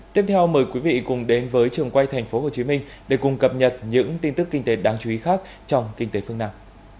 tiếp theo mời quý vị cùng đến với trường quay tp hcm để cùng cập nhật những tin tức kinh tế đáng chú ý khác trong kinh tế phương nam